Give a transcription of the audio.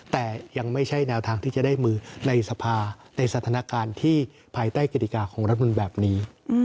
แต่ยังไม่ใช่แนวทางที่จะได้มือในสภาในสถานการณ์ที่ภายใต้กฎิกาของรัฐมนต์แบบนี้